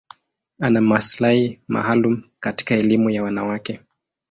Ana maslahi maalum katika elimu ya wanawake.